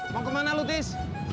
mau kemana lutis